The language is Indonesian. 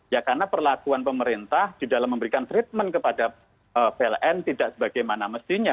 ya karena perlakuan pemerintah di dalam memberikan treatment kepada pln tidak sebagaimana mestinya